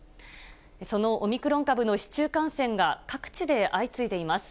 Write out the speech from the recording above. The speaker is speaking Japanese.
そのオミクロン株の市中感染が、各地で相次いでいます。